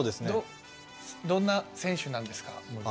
どんな選手なんですか？